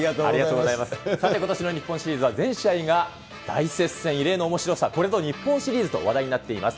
さて、ことしの日本シリーズは全試合が大接戦、異例のおもしろさ、これぞ日本シリーズと話題になっています。